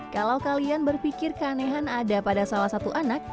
kalau kalian berpikir keanehan ada pada salah satu anak